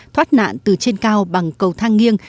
thoát nạn từ trên cao bằng cầu thang nghiêng